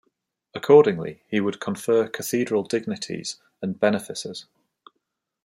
Accordingly, he would confer cathedral dignities and benefices.